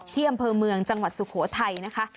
เที่ยมเพลิงเมืองจังหวัดสุโขทัยนะคะ